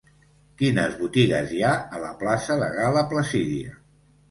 Quines botigues hi ha a la plaça de Gal·la Placídia?